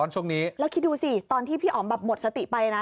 ใช่ตอนที่พี่ออมหมดสติไป